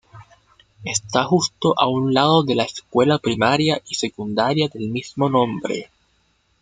Esta justo a un lado de La Escuela primaria y secundaria del mismo nombre.